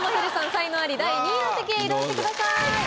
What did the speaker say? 才能アリ第２位の席へ移動してください。